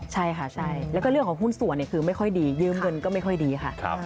ใช่ค่ะใช่แล้วก็เรื่องของหุ้นส่วนคือไม่ค่อยดียืมเงินก็ไม่ค่อยดีค่ะ